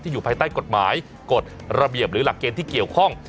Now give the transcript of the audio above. อยู่ภายใต้กฎหมายกฎระเบียบหรือหลักเกณฑ์ที่เกี่ยวข้อง